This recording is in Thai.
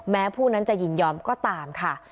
แม้ผู้นั้นจะยินยอมก็ตามค่ะ